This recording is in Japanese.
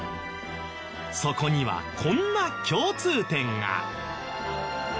そこにはこんな共通点が。